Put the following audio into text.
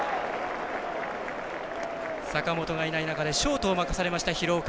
坂本がいない中でショートを任された廣岡。